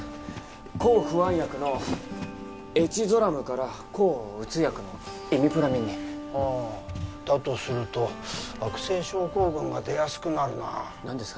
抗不安薬のエチゾラムから抗うつ薬のイミプラミンにああだとすると悪性症候群が出やすくなるな何ですか？